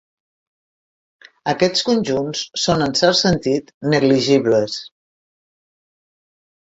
Aquests conjunts són, en cert sentit, "negligibles".